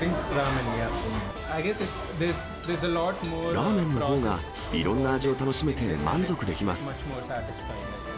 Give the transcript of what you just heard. ラーメンのほうがいろんな味を楽しめて満足できます。